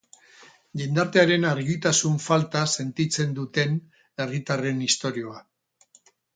Jendartearen argitasun falta sentitzen duten herritarren istorioa.